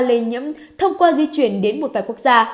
lây nhiễm thông qua di chuyển đến một vài quốc gia